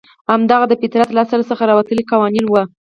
همدغه د فطرت له اصل څخه راوتلي قوانین وو.